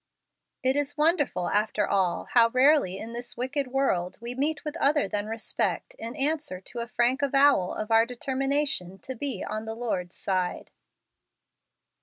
It is wonderful, after all, how rarely in this wicked world we meet with other than respect in answer to a frank avowal of our determination to be on the Lord's side.